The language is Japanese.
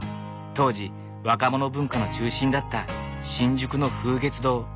当時若者文化の中心だった新宿の風月堂。